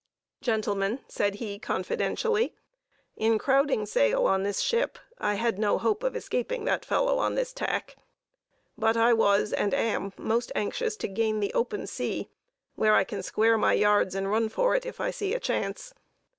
"Gentlemen," said he, confidentially, "in crowding sail on this ship I had no hope of escaping that fellow on this tack, but I was, and am, most anxious to gain the open sea, where I can square my yards and run for it, if I see a chance.